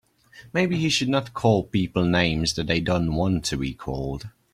Maybe he should not call people names that they don't want to be called.